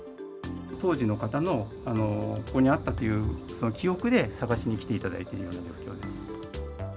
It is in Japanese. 当時の方の、ここにあったという記憶で探しに来ていただいているような状況です。